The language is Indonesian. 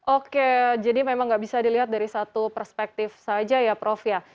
oke jadi memang nggak bisa dilihat dari satu perspektif saja ya prof ya